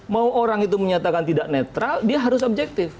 mau orang itu menyatakan tidak netral dia harus objektif